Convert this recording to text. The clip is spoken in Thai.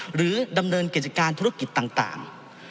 หรือดำเนินกิจการธุรกิจต่าง